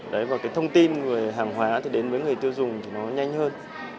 đấy và cái thông tin về hàng hóa thì đến với người tiêu dùng thì nó nhanh hơn